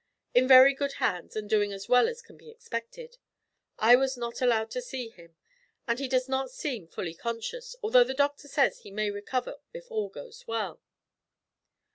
'In very good hands, and doing as well as can be expected. I was not allowed to see him, and he does not seem fully conscious, although the doctor says he may recover if all goes well.'